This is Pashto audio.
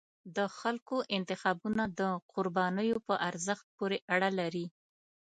د خلکو انتخابونه د قربانیو په ارزښت پورې اړه لري